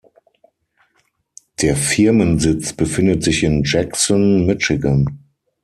Der Firmensitz befindet sich in Jackson, Michigan.